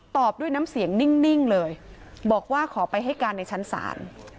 ตอบด้วยน้ำเสียงนิ่งเลยบอกว่าขอไปให้การในชั้นศาล